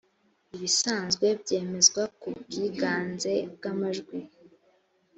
ibisanzwe byemezwa ku bwiganze bw’amajwi